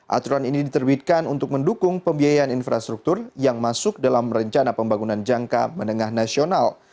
aturan ini diterbitkan untuk mendukung pembiayaan infrastruktur yang masuk dalam rencana pembangunan jangka menengah nasional